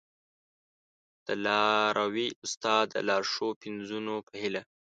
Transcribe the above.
د لاروي استاد د لا ښو پنځونو په هیله!